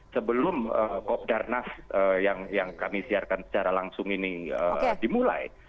sebelum kopdarnas yang kami siarkan secara langsung ini dimulai